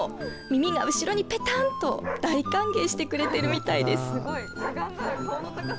耳が後ろにぺたんと大歓迎してくれているみたいです。